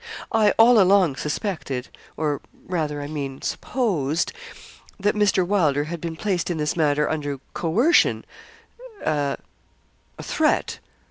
I all along suspected, or, rather, I mean, supposed, that Mr. Wylder had been placed in this matter under coercion a a threat.'